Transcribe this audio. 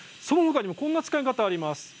そのほかにもこんな使い方があります。